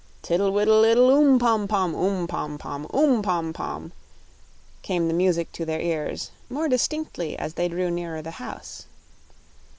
Tiddle widdle iddle, oom pom pom, Oom pom pom; oom pom pom! came the music to their ears, more distinctly as they drew nearer the house.